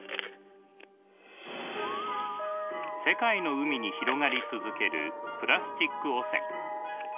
世界の海に広がり続けるプラスチック汚染。